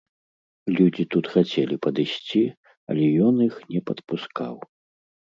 Людзі тут хацелі падысці, але ён іх не падпускаў.